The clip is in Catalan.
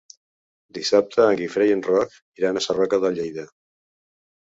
Dissabte en Guifré i en Roc iran a Sarroca de Lleida.